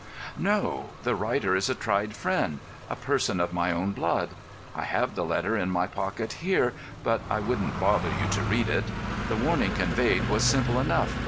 "No. The writer is a tried friend—a person of my own blood. I have the letter in my pocket here, but I won't bother you to read it. The warning conveyed was simple enough.